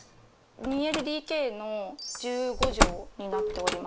２ＬＤＫの１５帖になっております。